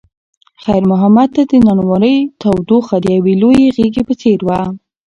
خیر محمد ته د نانوایۍ تودوخه د یوې لویې غېږې په څېر وه.